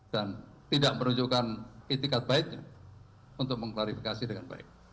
dan tidak menunjukkan itikat baiknya untuk mengklarifikasi dengan baik